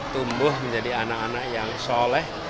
tumbuh menjadi anak anak yang soleh